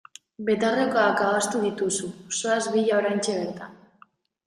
Betaurrekoak ahaztu dituzu, zoaz bila oraintxe bertan!